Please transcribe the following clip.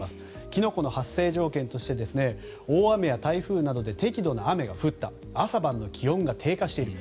キノコの発生条件として大雨や台風などで適度な雨が降った朝晩の気温が低下している。